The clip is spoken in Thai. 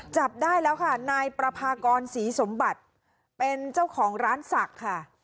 จับได้แล้วค่ะนายประพากรศรีสมบัติเป็นเจ้าของร้านศักดิ์ค่ะ